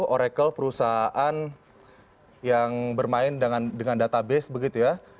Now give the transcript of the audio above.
oracle perusahaan yang bermain dengan database begitu ya